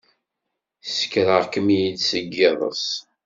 Ssekreɣ-kem-id seg yiḍes?